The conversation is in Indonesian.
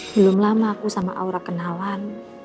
belum lama aku sama aura kenalan